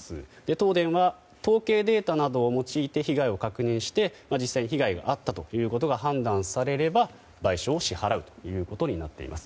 東電は、統計データなどを用いて被害を確認して実際に被害があったということが確認されれば賠償を支払うことになっています。